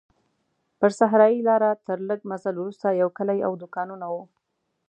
پر صحرایي لاره تر لږ مزل وروسته یو کلی او دوکانونه وو.